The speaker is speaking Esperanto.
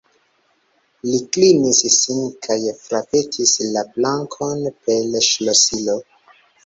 Li klinis sin kaj frapetis la plankon per ŝlosilo.